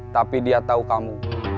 tapi dia tau kamu